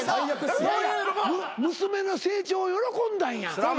娘の成長を喜んだんや。